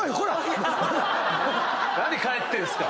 何帰ってんすか！